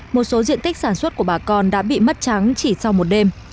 một số diện tích sản xuất của bà con đã bị mất trắng chỉ sau một đêm